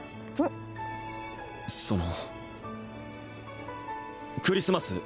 そのクリスマス